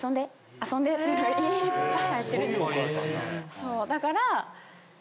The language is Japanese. そうだから。